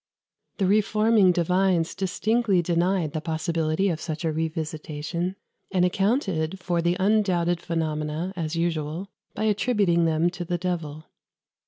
The reforming divines distinctly denied the possibility of such a revisitation, and accounted for the undoubted phenomena, as usual, by attributing them to the devil.